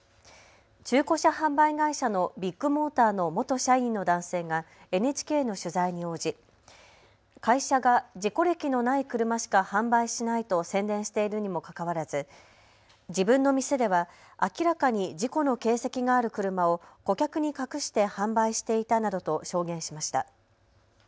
中古車販売会社のビッグモーターの元社員の男性がＮＨＫの取材に応じ会社が事故歴のない車しか販売しないと宣伝しているにもかかわらず、自分の店では明らかに事故の形跡がある車を顧客に隠して販売していたなどと証言しました。